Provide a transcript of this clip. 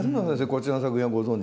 こちらの作品はご存じ？